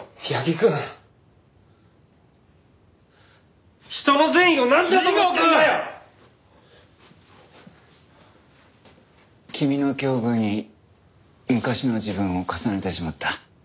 君の境遇に昔の自分を重ねてしまった。